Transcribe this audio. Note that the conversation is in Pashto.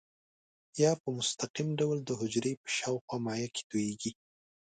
یا په مستقیم ډول د حجرې په شاوخوا مایع کې تویېږي.